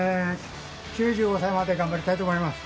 ９５歳まで頑張りたいと思います。